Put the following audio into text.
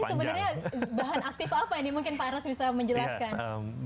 nah ini sebenarnya bahan aktif apa nih mungkin pak aras bisa menjelaskan